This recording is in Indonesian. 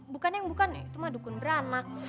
bukan yang bukan itu madukun bran nak